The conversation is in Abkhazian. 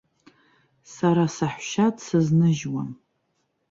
Сара саҳәшьа дсызныжьуам!